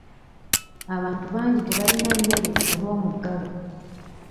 Abantu bangi tebalina mmere olw'omuggalo.